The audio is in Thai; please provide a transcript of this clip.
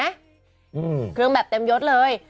อืมคือเรื่องแบบเต็มยศเลย